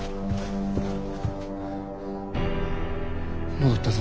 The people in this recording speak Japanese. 戻ったぞ！